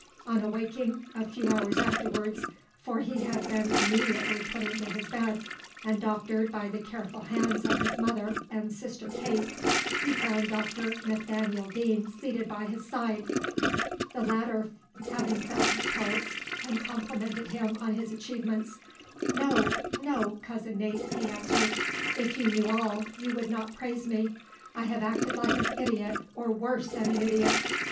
On awaking a few hours afterwards for he had been immediately put into his bed, and doctored by the careful hands of his mother and sister Kate he found Dr Nathaniel Deane seated by his side. The latter having felt his pulse, and complimented him on his achievements, "No, no, Cousin Nat," he answered; "if you knew all, you would not praise me. I have acted like an idiot, or worse than an idiot."